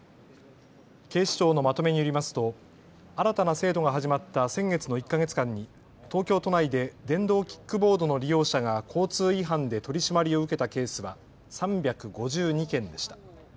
警視庁のまとめによりますと新たな制度が始まった先月の１か月間に東京都内で電動キックボードの利用者が交通違反で取締りを受けたケースは３５２件でした。